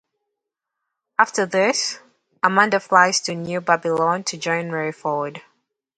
After this, Amanda flies to New Babylon to join Rayford.